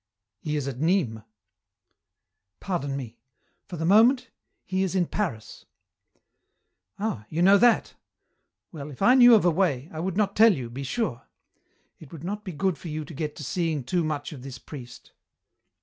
"He is at Nîmes." "Pardon me. For the moment, he is in Paris." "Ah, you know that! Well, if I knew of a way, I would not tell you, be sure. It would not be good for you to get to seeing too much of this priest."